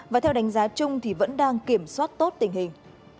và theo đánh giá chung thì vẫn đang kiểm soát tốt tình hình